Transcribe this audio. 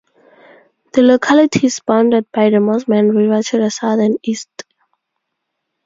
The locality is bounded by the Mossman River to the south and east.